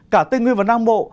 cả tây nguyên và nam bộ